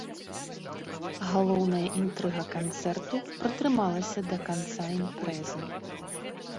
Галоўная інтрыга канцэрту пратрымалася да канца імпрэзы.